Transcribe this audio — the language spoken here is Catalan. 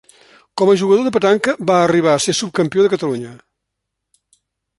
Com a jugador de petanca, va arribar a ser subcampió de Catalunya.